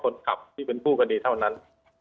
คนขับที่เป็นผู้คดีเท่านั้น